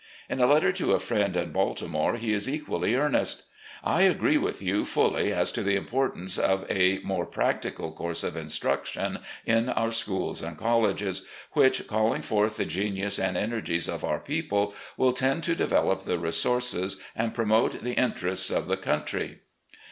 In a letter to a friend in Baltimore he is equally earnest :" I agree with you fully as to the importance of a more practical course of instruction in our schools and colleges, which, calling forth the genius and energies of our people, will tend to develop the resotirces and promote the inter ests of the cotmtry."